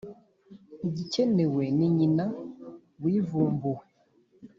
igikenewe ni nyina wivumbuwe